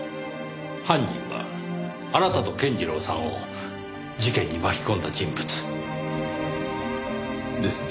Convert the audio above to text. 犯人はあなたと健次郎さんを事件に巻き込んだ人物。ですね。